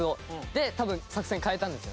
で多分作戦変えたんですよね。